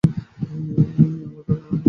আমার হাত ধরো।